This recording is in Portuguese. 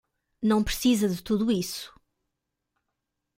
Não precisa de tudo isso.